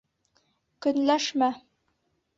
Көнләшмә.